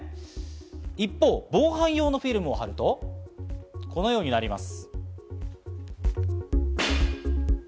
一方、防犯用のフィルムを貼ると、このようになります。